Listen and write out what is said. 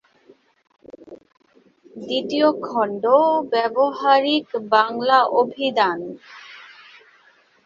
দ্বিতীয় খন্ড: ব্যবহারিক বাংলা অভিধান।